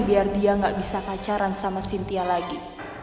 biar dia gak bisa pacaran sama sintia lagi